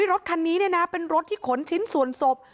รถคันนี้เป็นรถที่ขนชิ้นส่วนศพ